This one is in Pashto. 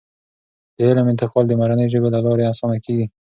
د علم انتقال د مورنۍ ژبې له لارې اسانه کیږي.